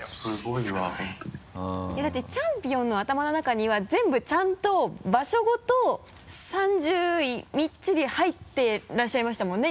いやだってチャンピオンの頭の中には全部ちゃんと場所ごと３０位みっちり入ってらっしゃいましたもんね？